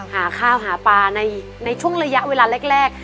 หาข้าวหาปลาในช่วงระยะเวลาแรก